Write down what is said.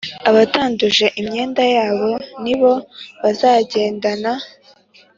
abatanduje imyenda yabo ni bo bazagendana